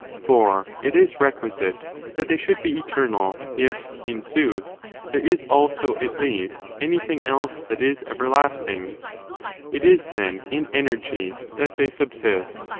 For it is requisite that they should b^ gHJ}/^ ^°^™* eternal, if, in sooth, there is also, at least, any thing else that is everlasting. It is, then, in energy that they subsist.